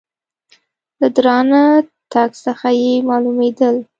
له درانه تګ څخه یې مالومېدل .